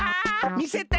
みせて。